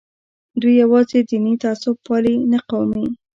دوی یوازې دیني تعصب پالي نه قومي.